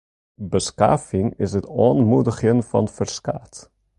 Beskaving is it oanmoedigjen fan ferskaat.